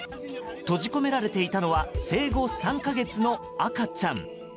閉じ込められていたのは生後３か月の赤ちゃん。